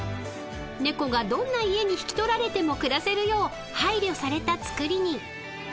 ［猫がどんな家に引き取られても暮らせるよう配慮された造りに］